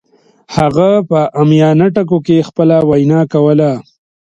هغه په عامیانه ټکو کې خپله وینا کوله